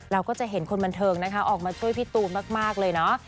เราก็จะเห็นคนบันเทิงนะคะออกมาช่วยพี่ตูนมากเลยเนาะ